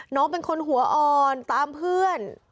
น้องเป็นคนหัวอ่อนตามเพื่อน